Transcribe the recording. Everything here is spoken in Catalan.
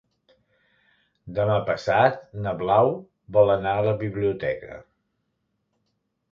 Demà passat na Blau vol anar a la biblioteca.